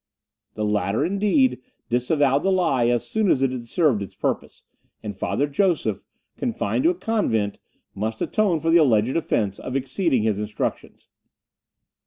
The latter, indeed, disavowed the lie as soon as it had served its purpose, and Father Joseph, confined to a convent, must atone for the alleged offence of exceeding his instructions.